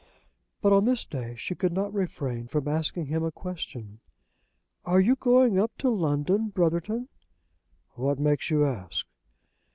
But on this day she could not refrain from asking him a question. "Are you going up to London, Brotherton?" "What makes you ask?"